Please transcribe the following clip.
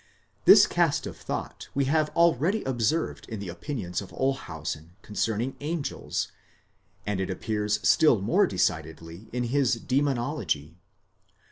This cast of thought we have already observed in the opinions of Olshausen concerning angels, and it appears still more decidedly in his demonology.